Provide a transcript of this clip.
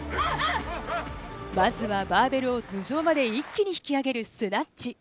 まずはバーベルを頭上まで一気に引き上げるスナッチ。